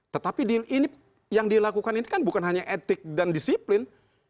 tetapi yang dilakukan ini kan bukan hanya etik dan disiplin